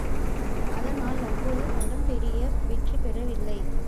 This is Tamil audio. அதனால் அப்போது படம் பெரிய வெற்றிபெறவில்லை.